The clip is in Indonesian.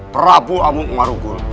prabu amuk marugol